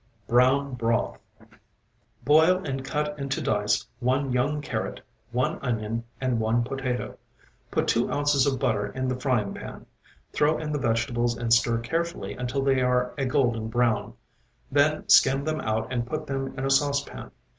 BROWN BROTH Boil and cut into dice one young carrot, one onion and one potato. Put two ounces of butter in the frying pan, throw in the vegetables and stir carefully until they are a golden brown. Then skim them out and put them in a saucepan.